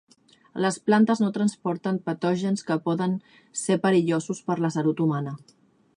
Les plantes no transporten patògens que poden ser perillosos per la salut humana.